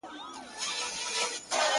ولي ګناکاري زما د ښار سپيني کفتري دي،